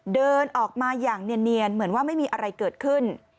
เดินออกมาอย่างเนียนเหมือนว่าไม่มีอะไรเกิดขึ้น